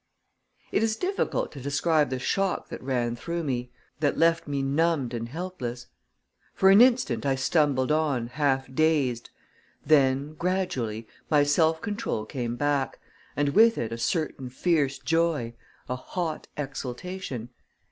It is difficult to describe the shock that ran through me, that left me numbed and helpless. For an instant, I stumbled on, half dazed; then, gradually, my self control came back, and with it a certain fierce joy, a hot exultation.